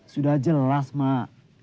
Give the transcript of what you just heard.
sudah jelas pak